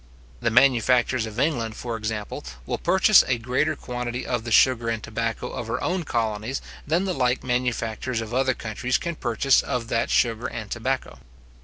The manufactures of England, for example, will purchase a greater quantity of the sugar and tobacco of her own colonies than the like manufactures of other countries can purchase of that sugar and tobacco.